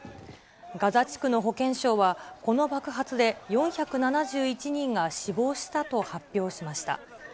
ガザ地区の保健省は、この爆発で４７１人が死亡したと発表しました。